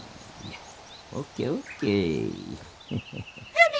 ＯＫＯＫ。